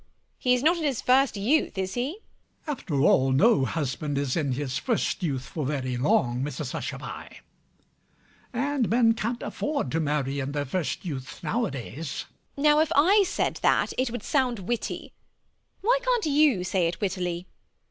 He is not in his first youth, is he? MAZZINI. After all, no husband is in his first youth for very long, Mrs Hushabye. And men can't afford to marry in their first youth nowadays. MRS HUSHABYE. Now if I said that, it would sound witty. Why can't you say it wittily?